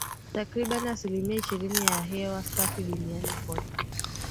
Takribani asilimia ishirini ya hewa safi duniani kote